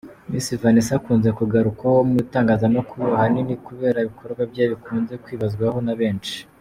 Miss Vanessa akunze kugarukwaho mu itangazamakuru ahanini kubera ibikorwa bye bikunze kwibazwaho na benshi.